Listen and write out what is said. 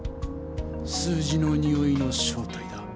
数字のにおいの正体だ。